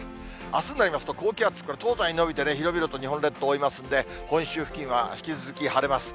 あすになりますと、高気圧、これ東西に延びてね、広々と日本列島を覆いますんで、本州付近は引き続き晴れます。